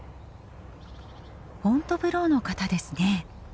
フォントヴローの方ですね。